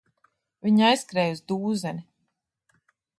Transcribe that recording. Viņi aizskrēja uz dūzeni.